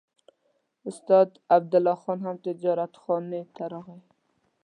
استاد عبدالله خان هم تجارتخانې ته راغی.